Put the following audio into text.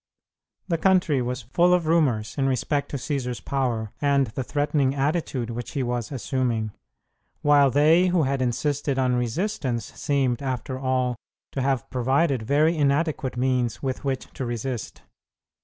The country was full of rumors in respect to Cćsar's power, and the threatening attitude which he was assuming, while they who had insisted on resistance seemed, after all, to have provided very inadequate means with which to resist.